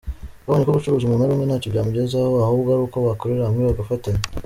Twabonye ko gucuruza umuntu ari umwe ntacyo byamugezaho, ahubwo ari uko bakorera hamwe, bagafatanya.